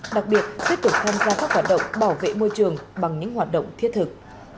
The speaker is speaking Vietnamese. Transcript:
đặc biệt tiếp tục tham gia các hoạt động bảo vệ môi trường bằng những hoạt động thiết thực